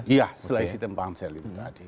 iya seleksi tim pansel ini tadi